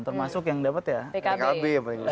termasuk yang dapat ya pkb apalagi